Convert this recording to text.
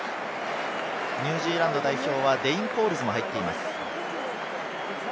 ニュージーランド代表はデイン・コールズも入っています。